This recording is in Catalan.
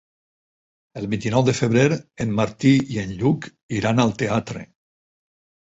El vint-i-nou de febrer en Martí i en Lluc iran al teatre.